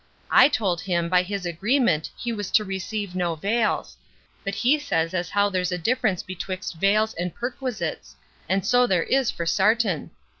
I told him, by his agreement he was to receive no vails; but he says as how there's a difference betwixt vails and perquisites; and so there is for sartain.